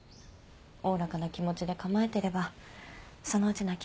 おおらかな気持ちで構えてればそのうち泣きやみますよ。